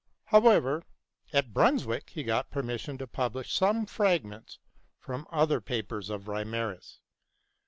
However, at Brunswick he got permission to publish some fragments from other papers of Reimarus.